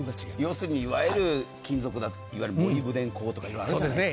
要するにいわゆる金属だとかモリブデン鋼とかあるじゃないですか。